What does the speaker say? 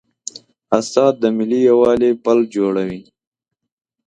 استاد د ملي یووالي پل جوړوي.